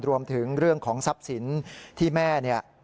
รวมถึงเรื่องของทรัพย์สินที่แม่เนี่ย